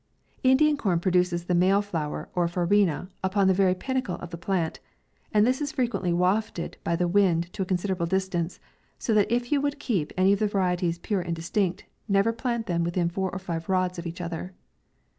Indian corn produces the male flower or farina upon the very pinnacle of the plant, and this is frequently wafted by the wind to a considerable distance, so that if you would keep any of the varieties pure and distinct, never plant them within four or five rods of each other.